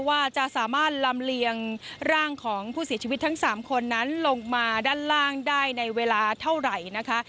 ว่าจะสามารถลำเลียงร่างของผู้เสียชีวิตทั้ง๓คนนั้นลงมาด้านล่างได้ในเวลาเท่าไหร่นะคะ